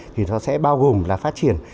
thì nó sẽ bao gồm là phát triển